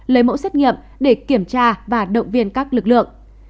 lấy mẫu xét nghiệm để kiểm tra và động viên các lực lượng